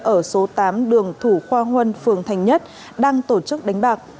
ở số tám đường thủ khoa huân phường thành nhất đang tổ chức đánh bạc